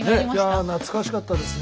いや懐かしかったですね。